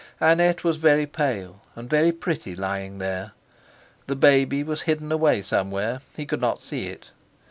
Annette was very pale and very pretty lying there. The baby was hidden away somewhere; he could not see it.